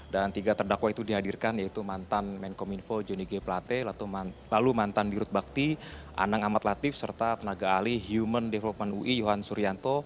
dan tiga terdakwa itu dihadirkan yaitu mantan menkominfo joni g pelate lalu mantan dirut bakti anang amat latif serta tenaga alih human development ui yohan suryanto